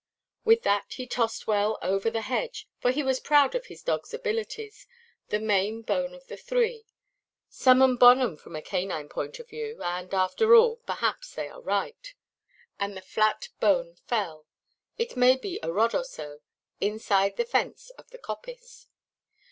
With that he tossed well in over the hedge—for he was proud of his dogʼs abilities—the main bone of the three (summum bonum from a canine point of view; and, after all, perhaps they are right), and the flat bone fell, it may be a rod or so, inside the fence of the coppice.